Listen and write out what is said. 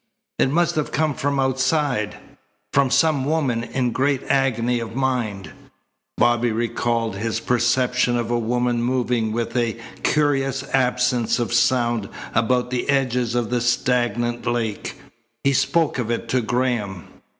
It must have come from outside from some woman in great agony of mind." Bobby recalled his perception of a woman moving with a curious absence of sound about the edges of the stagnant lake. He spoke of it to Graham.